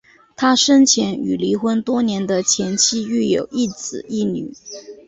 他生前与离婚多年的前妻育有一子一女。